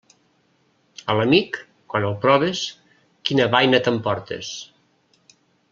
A l'amic, quan el proves, quina baina t'emportes.